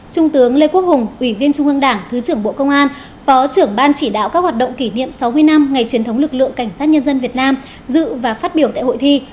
trung tướng lê quốc hùng ủy viên trung ương đảng thứ trưởng bộ công an phó trưởng ban chỉ đạo các hoạt động kỷ niệm sáu mươi năm ngày truyền thống lực lượng cảnh sát nhân dân việt nam dự và phát biểu tại hội thi